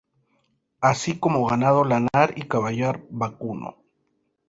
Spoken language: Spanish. Así como ganado lanar y caballar, vacuno.